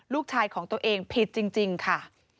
ลูกชายของตัวเองผิดจริงค่ะ